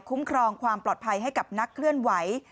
ครองความปลอดภัยให้กับนักเคลื่อนไหว